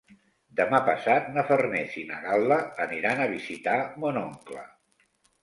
Demà passat na Farners i na Gal·la aniran a visitar mon oncle.